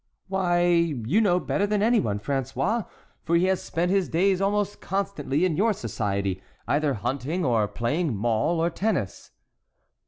"Why, you know better than any one, François, for he has spent his days almost constantly in your society, either hunting or playing mall or tennis."